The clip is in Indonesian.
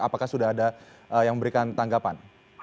apakah sudah ada yang memberikan tanggapan